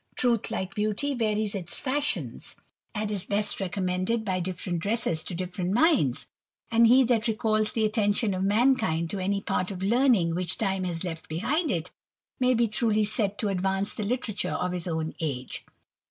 Truth, like beauty, varies its ^shions, and is best recommended by different dresses to different minds ; and he that recalls the attention of man *^^nd to any part of learning which time has left behind it, '^ay be truly said to advance the literature of his own age.